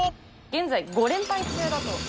現在、５連敗中だと。